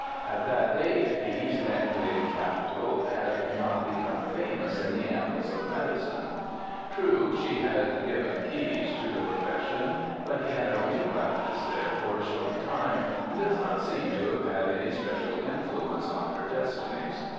At that date the East Anglian capital had not become famous in the annals of medicine. True, she had given Caius to the profession, but he had only practised there for a short time and does not seem to have had any special influence on her destinies.